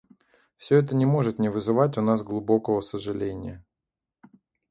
Все это не может не вызывать у нас глубокого сожаления.